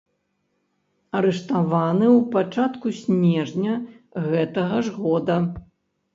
Арыштаваны ў пачатку снежня гэтага ж года.